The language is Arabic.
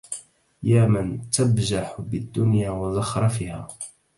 يا من تبجح بالدنيا وزخرفها